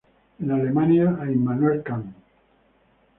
En Alemania, a Immanuel Kant.